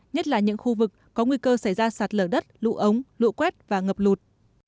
nhất là những khu vực có nguy cơ xảy ra sạt lở đất lũ ống lũ quét và ngập lụt